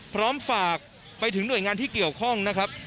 พร้อมฝากไปถึงหน่วยงานที่เกี่ยวข้องนะครับ